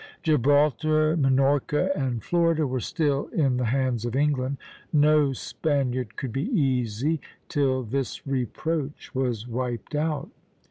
Gibraltar, Minorca, and Florida were still in the hands of England; no Spaniard could be easy till this reproach was wiped out.